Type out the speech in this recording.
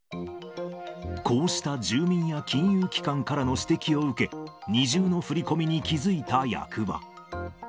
こうした住民や金融機関からの指摘を受け、二重の振り込みに気付いた役場。